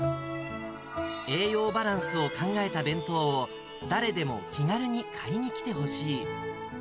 栄養バランスを考えた弁当を、誰でも気軽に買いに来てほしい。